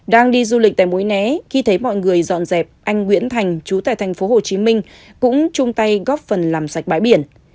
đang đi du lịch tại mối né khi thấy mọi người dọn dẹp anh nguyễn thành chú tại tp hcm cũng chung tay góp phần làm sạch bãi biển